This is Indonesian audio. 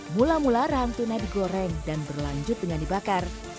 mula mula rahang tuna digoreng dan berlanjut dengan dibakar